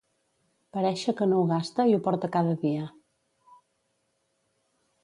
Parèixer que no ho gasta i ho porta cada dia.